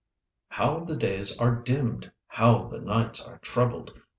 How the days are dimmed! How the nights are troubled!